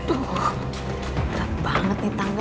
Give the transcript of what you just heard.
tengah banget nih tangga